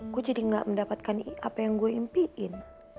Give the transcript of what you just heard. gue jadi gak mendapatkan apa yang gue impiin